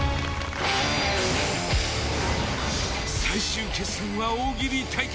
最終決戦は大喜利対決。